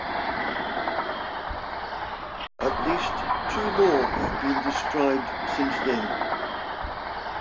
At least two more have been described since then.